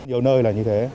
nhiều nơi là như thế